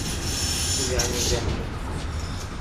জানি, জানি।